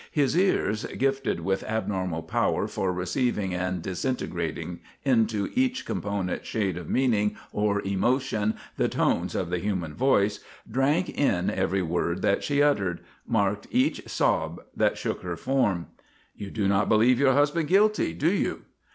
His ears, gifted with abnormal power for receiving and disintegrating into each component shade of meaning or emotion the tones of the human voice, drank in every word that she uttered, marked each sob that shook her form. "You do not believe your husband guilty, do you?"